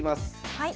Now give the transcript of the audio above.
はい。